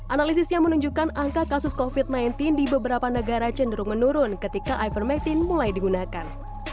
analisisnya menunjukkan angka kasus covid sembilan belas di beberapa negara cenderung menurun ketika ivermectin mulai digunakan